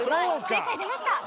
正解出ました。